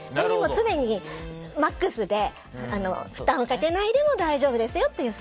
常にマックスで負担をかけないでも大丈夫ですよという。